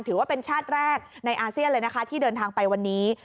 ถือว่าเป็นชาติแรกในอาเซียนเลยนะคะที่เดินทางไปวันนี้